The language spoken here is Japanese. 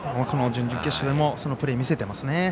この準々決勝でもそのプレーを見せていますね。